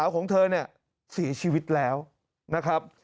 น้องเสียแล้วลูก